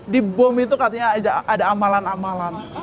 di bom itu katanya ada amalan amalan